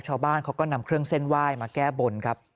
ชาวบ้านเขาก็นำเครื่องเส้นไหว้มาแก้บนครับ